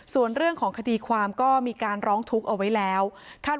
ส่วนเรื่องของคดีความก็มีการร้องทุกข์เอาไว้แล้ว